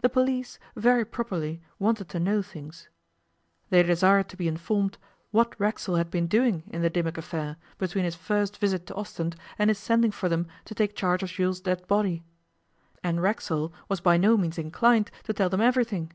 The police, very properly, wanted to know things. They desired to be informed what Racksole had been doing in the Dimmock affair, between his first visit to Ostend and his sending for them to take charge of Jules' dead body. And Racksole was by no means inclined to tell them everything.